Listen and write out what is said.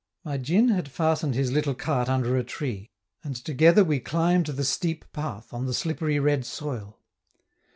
My djin had fastened his little cart under a tree, and together we climbed the steep path on the slippery red soil.